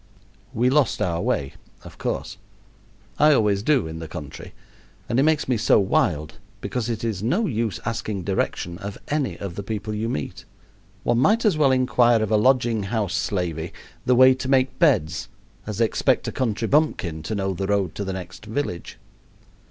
We lost our way, of course. I always do in the country, and it does make me so wild, because it is no use asking direction of any of the people you meet. One might as well inquire of a lodging house slavey the way to make beds as expect a country bumpkin to know the road to the next village.